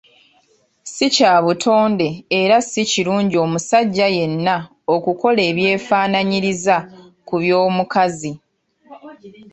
Si kya butonde era si kirungi omusajja yenna okukola ebyefaananyiriza ku by'omukazi.